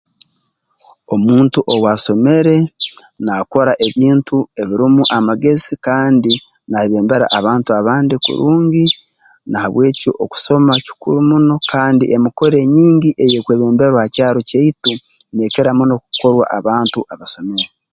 Omuntu owaasomere naakora ebintu ebirumu amagezi kandi nayebembera abantu abandi kurungi na habw'ekyo okusoma kikuru muno kandi emikoro enyingi eyeekwebemberwa ha kyaro kyaitu neekira muno kukorwa abantu abasomere